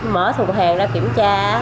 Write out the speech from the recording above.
mở thùng hàng ra kiểm tra